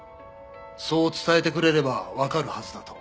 そう伝えてくれればわかるはずだと。